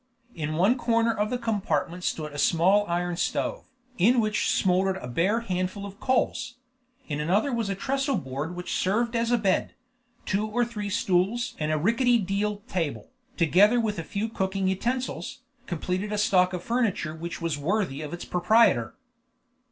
In one corner of the compartment stood a small iron stove, in which smoldered a bare handful of coals; in another was a trestle board which served as a bed; two or three stools and a rickety deal table, together with a few cooking utensils, completed a stock of furniture which was worthy of its proprietor.